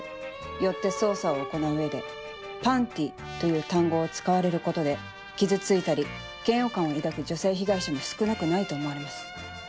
よって捜査を行う上で「パンティ」という単語を使われることで傷ついたり嫌悪感を抱く女性被害者も少なくないと思われます。